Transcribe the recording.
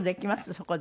そこで。